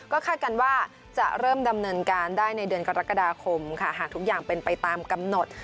คาดกันว่าจะเริ่มดำเนินการได้ในเดือนกรกฎาคมค่ะหากทุกอย่างเป็นไปตามกำหนด